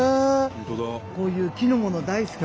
こういう木のもの大好き。